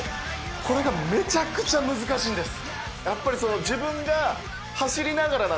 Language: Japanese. これがめちゃくちゃ難しいんです。